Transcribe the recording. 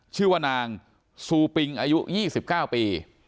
ชื่อว่านางซูปิงอายุยี่สิบเก้าปี